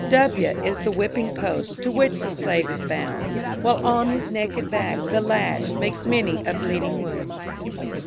W is the Whipping post, To which the slave is bound, While on his naked back, the lash Makes many a bleeding wound.